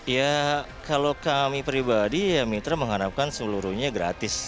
ya kalau kami pribadi ya mitra mengharapkan seluruhnya gratis